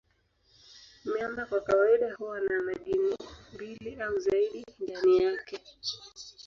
Miamba kwa kawaida huwa na madini mbili au zaidi ndani yake.